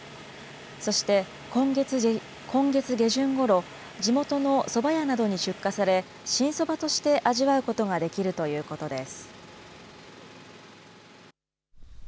そして今月下旬ごろ、地元のそば屋などに出荷され、新そばとして味わうことができるということです。